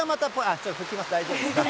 ちょっと拭きます、大丈夫ですか。